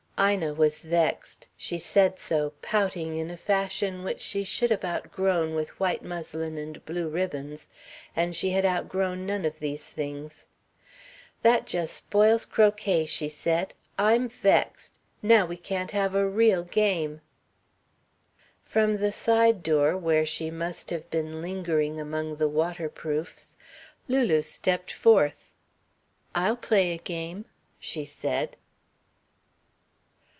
Ina was vexed. She said so, pouting in a fashion which she should have outgrown with white muslin and blue ribbons, and she had outgrown none of these things. "That just spoils croquet," she said. "I'm vexed. Now we can't have a real game." From the side door, where she must have been lingering among the waterproofs, Lulu stepped forth. "I'll play a game," she said.